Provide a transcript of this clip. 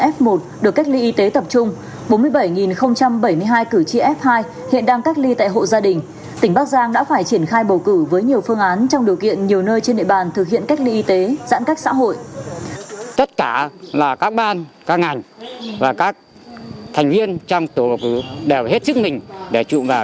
và các thành viên trong tổ bầu cử đều hết sức mình để trụng vào